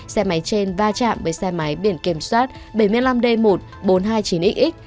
xe máy trên va chạm với xe máy biển kiểm soát bảy mươi năm d một nghìn bốn trăm hai mươi chín x